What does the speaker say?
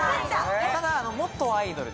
ただ元アイドルです。